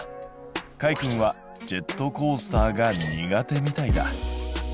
かいくんはジェットコースターが苦手みたいだ。